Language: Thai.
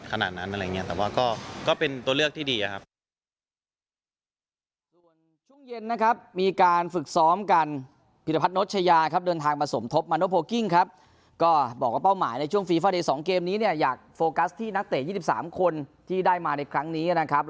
ขนาดนั้นอะไรอย่างนี้แต่ว่าก็เป็นตัวเลือกที่ดีอะครับ